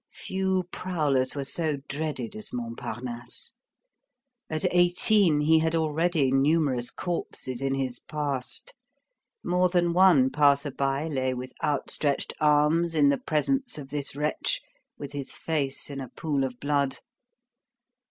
Few prowlers were so dreaded as Montparnasse. At eighteen, he had already numerous corpses in his past. More than one passer by lay with outstretched arms in the presence of this wretch, with his face in a pool of blood.